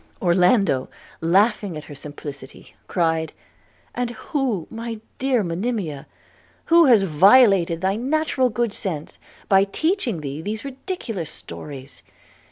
Orlando, laughing at her simplicity, cried, 'And who, my dear Monimia, who has violated thy natural good sense by teaching thee these ridiculous stories?